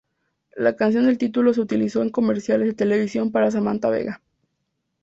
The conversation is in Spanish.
La canción del título se utilizó en comerciales de televisión para Samantha Vega.